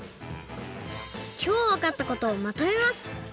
きょうわかったことをまとめます。